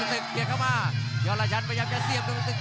นุ่มสติกเปียกเข้ามาย่อละชันพยายามจะเสี่ยงนุ่มสติก